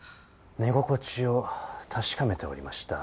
寝心地を確かめておりました。